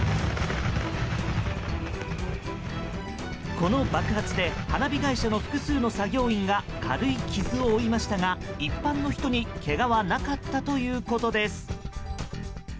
この爆発で花火会社の複数の作業員が軽い傷を負いましたが一般の人にけがはなかったということです。